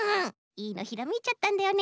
いいのひらめいちゃったんだよね。